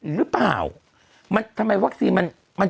หรือเปล่าทำไมวัคซีนมัน